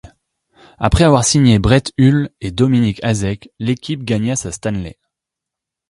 Après avoir signé Brett Hull et Dominik Hašek, l'équipe gagna sa Stanley.